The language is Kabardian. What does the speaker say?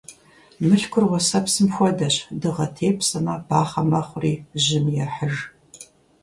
Мылъкур уэсэпсым хуэдэщ: дыгъэ тепсэмэ, бахъэ мэхъури, жьым ехьыж.